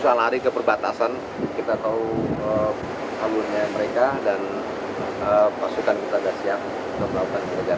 kita lari ke perbatasan kita tahu abunya mereka dan pasukan kita sudah siap untuk melakukan pekerjaan